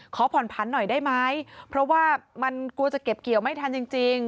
ขอผ่อนผันหน่อยได้ไหมเพราะว่ามันกลัวจะเก็บเกี่ยวไม่ทันจริง